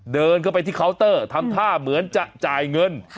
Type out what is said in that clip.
เดินเข้าไปที่เคาน์เตอร์ทำท่าเหมือนจะจ่ายเงิน